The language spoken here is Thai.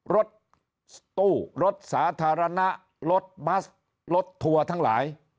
รถตู้รถสาธารณะรถบัสรถทัวร์ทั้งหลาย